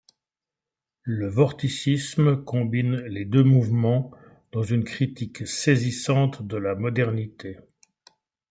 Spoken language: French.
Le vorticisme combine les deux mouvements dans une critique saisissante de la modernité.